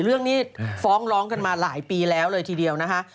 เรื่องนี้ฟ้องร้องกันมาหลายปีแล้วเลยทีเดียวนะคะ